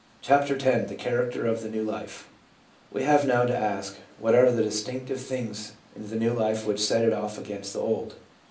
CHAPTER X THE CHARACTER OF THE NEW LIFE We have now to ask, What are the distinctive things in the new life which set it off against the old